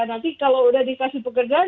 nanti kalau udah dikasih pekerjaan